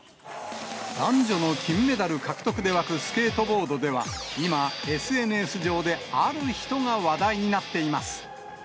男女の金メダル獲得で沸くスケートボードでは、今、ＳＮＳ上である人が話題になっています。